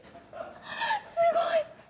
すごい。